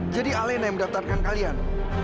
jadi alena yang mendatarkan kalian